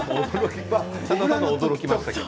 驚きましたけど。